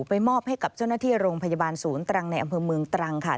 มอบให้กับเจ้าหน้าที่โรงพยาบาลศูนย์ตรังในอำเภอเมืองตรังค่ะ